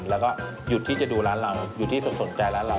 แล้วก็หยุดที่จะดูร้านเราหยุดที่สนใจร้านเรา